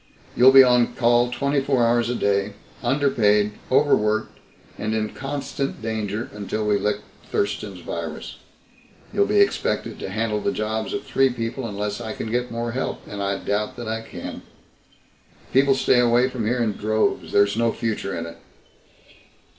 "You'll be on call twenty four hours a day, underpaid, overworked, and in constant danger until we lick Thurston's virus. You'll be expected to handle the jobs of three people unless I can get more help and I doubt that I can. People stay away from here in droves. There's no future in it."